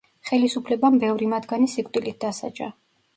ხელისუფლებამ ბევრი მათგანი სიკვდილით დასაჯა.